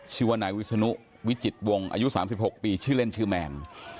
ชื่อว่านายวิศนุวิจิตวงอายุ๓๖ปีชื่อเล่นชื่อแมน